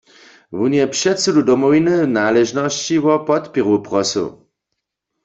Wón je předsydu Domowiny w naležnosći wo podpěru prosył.